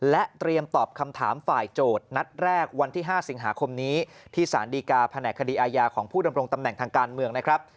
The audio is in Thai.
และเตรียมตอบคำถามฝ่ายโจทย์นัดแรกวันที่๕สิงหาคมนี้ที่สารดีกาแผนกคดีอาญาของผู้ดำรงตำแหน่งทางการเมืองนะครับ